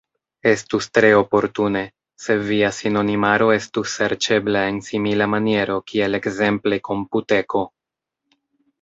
Estus tre oportune, se via sinonimaro estus serĉebla en simila maniero kiel ekzemple Komputeko.